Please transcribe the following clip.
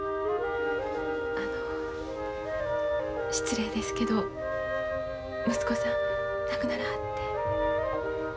あの失礼ですけど息子さん亡くならはって？